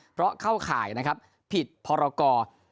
เพราะเข้าข่ายนะครับผิดพรกร